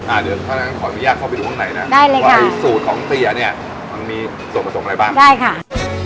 อ่าเดี๋ยวถ้านั้นขออนุญาตเข้าไปดูข้างในนะว่าสูตรของเตียร์มันมีส่วนผสมอะไรบ้างได้ค่ะ